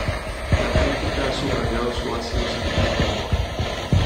La crítica ha subrayado su ácido sentido del humor.